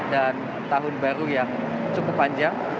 dan tahun baru yang cukup panjang